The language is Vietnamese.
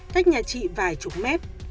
cách nhà chị vài chục mét